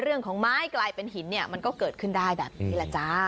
เรื่องของไม้กลายเป็นหินเนี่ยมันก็เกิดขึ้นได้แบบนี้แหละจ้า